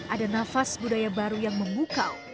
ada nafas budaya baru yang memukau